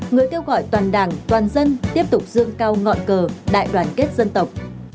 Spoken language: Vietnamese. người kêu gọi toàn đảng toàn dân tiếp tục dương cao ngọn cờ đại đoàn kết dân tộc